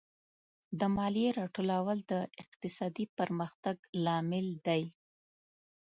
د مالیې راټولول د اقتصادي پرمختګ لامل دی.